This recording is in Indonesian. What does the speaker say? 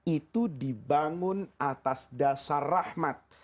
itu dibangun atas dasar rahmat